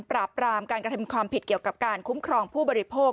ปราบปรามการกระทำความผิดเกี่ยวกับการคุ้มครองผู้บริโภค